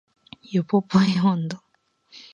ヨポポイ音頭